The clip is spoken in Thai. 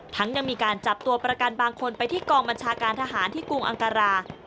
ยังมีการจับตัวประกันบางคนไปที่กองบัญชาการทหารที่กรุงอังการา